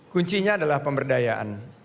kuncinya adalah pemberdayaan